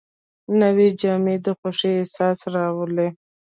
نوې جامې د خوښۍ احساس راولي